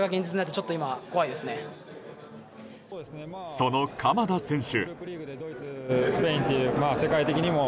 その鎌田選手。